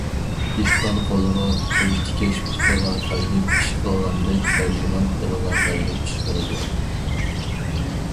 دېھقان قولىغا، پوچتىكەش پۇتىغا تايىنىپ ئىش قىلغاندەك، تەرجىمان تىلىغا تايىنىپ ئىش قىلىدۇ.